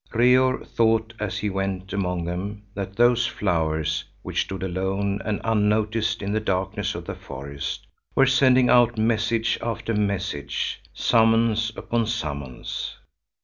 Reor thought, as he went among them, that those flowers, which stood alone and unnoticed in the darkness of the forest, were sending out message after message, summons upon summons.